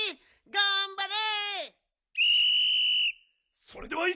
がんばれ！